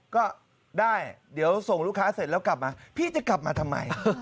ก็ได้เดี๋ยวส่งลูกค้าเสร็จแล้วกลับมาพี่จะกลับมาทำไม